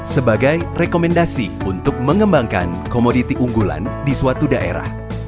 sebagai rekomendasi untuk mengembangkan komoditi unggulan di suatu daerah